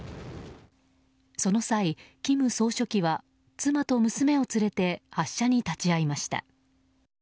その際、金総書記は妻と娘を連れて発射に立ち会いました。